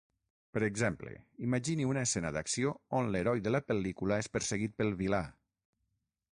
Per exemple, imagini una escena d'acció on l'heroi de la pel·lícula és perseguit pel vilà.